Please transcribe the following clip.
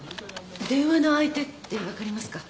電話の相手って分かりますか？